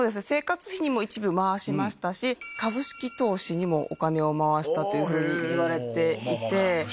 生活費にも一部回しましたし、株式投資にもお金を回したというふうにいわれていて。